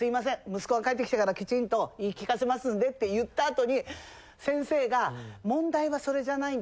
息子が帰ってきてからきちんと言い聞かせますんで」って言った後に先生が「問題はそれじゃないんです」って。